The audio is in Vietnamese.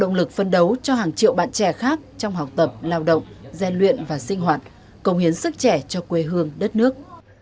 động lực phân đấu cho hàng triệu bạn trẻ khác trong học tập lao động gian luyện và sinh hoạt cống hiến sức trẻ cho quê hương đất nước